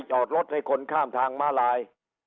จอดรถให้คนข้ามทางมาลาย